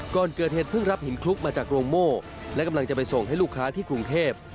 ก่อนเกิดเหตุเพิ่งรับหินคลุกมาจากโรงโม่และกำลังจะไปส่งให้ลูกค้าที่กรุงเทพ